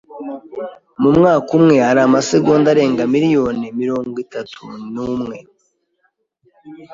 Mu mwaka umwe hari amasegonda arenga miliyoni mirongo itatu n'umwe. (erikspen)